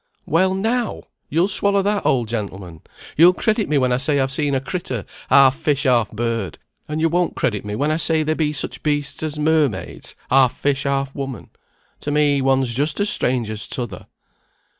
"Well now! you'll swallow that, old gentleman. You'll credit me when I say I've seen a crittur half fish, half bird, and you won't credit me when I say there be such beasts as mermaids, half fish, half woman. To me, one's just as strange as t'other."